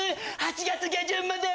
８月下旬まで！